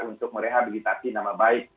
untuk merehabilitasi nama baik